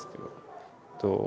えっと